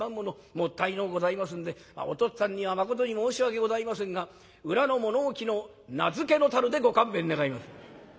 もったいのうございますんでお父っつぁんにはまことに申し訳ございませんが裏の物置の菜漬の樽でご勘弁願います」。